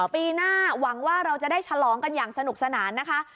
ปีหน้าหวังว่าเราจะได้ฉลองกันอย่างสนุกสนานนะคะ